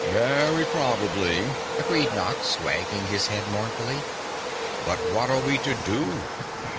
"Very probably," agreed Nox, wagging his head mournfully. "But what are we to do?